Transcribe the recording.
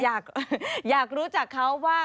อยากรู้จักเขาว่า